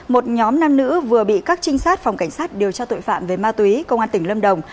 một nhóm nam nữ vừa bị các trinh sát phòng cảnh sát điều tra tội phạm về ma túy công an tỉnh lâm đồng